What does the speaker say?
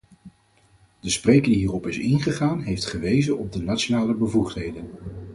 De spreker die hierop is ingegaan heeft gewezen op de nationale bevoegdheden.